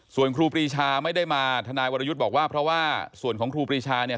ส่วนครูปรีชาไม่ได้มาทนายวรยุทธ์บอกว่าเพราะว่าส่วนของครูปรีชาเนี่ย